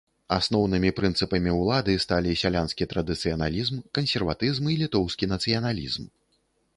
Асноўнымі прынцыпамі ўлады сталі сялянскі традыцыяналізм, кансерватызм і літоўскі нацыяналізм.